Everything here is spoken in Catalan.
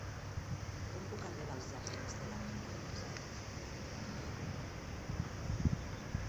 Com puc arribar als jardins de la Torre de les Aigües número quaranta-u?